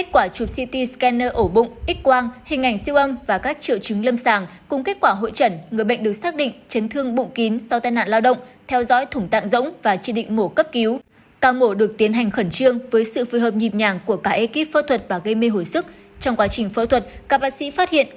các bạn hãy đăng ký kênh để ủng hộ kênh của chúng mình nhé